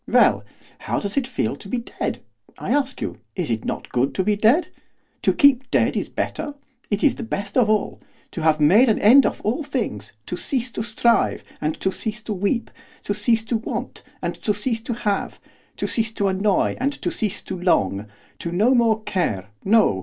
Well, how does it feel to be dead? I ask you! Is it not good to be dead? To keep dead is better, it is the best of all! To have made an end of all things, to cease to strive and to cease to weep, to cease to want and to cease to have, to cease to annoy and to cease to long, to no more care, no!